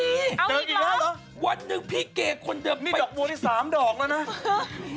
เอาอีกเหรอวันนึงพี่เกคคลเดิมไปนี่ดอกมัวนี่สามดอกแล้วนะ